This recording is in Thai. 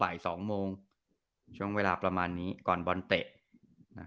บ่ายสองโมงช่วงเวลาประมาณนี้ก่อนบอลเตะอ่า